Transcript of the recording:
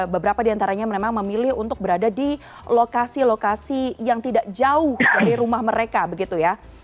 beberapa di antaranya memang memilih untuk berada di lokasi lokasi yang tidak jauh dari rumah mereka begitu ya